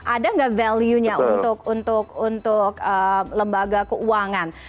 ada nggak value nya untuk lembaga keuangan